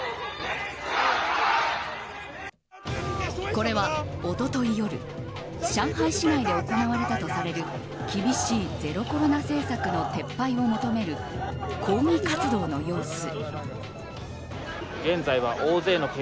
これは一昨日夜上海市内で行われたとされる厳しいゼロコロナ政策の撤廃を求める抗議活動の様子。